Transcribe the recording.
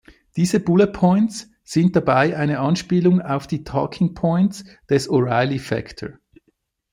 Diese "Bullet Points" sind dabei eine Anspielung auf die "Talking Points" des O’Reilly Factor.